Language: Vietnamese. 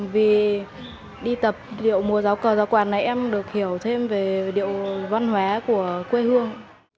vì đi tập địa múa giáo cờ giáo quạt này em được hiểu thêm về địa văn hóa của quê hương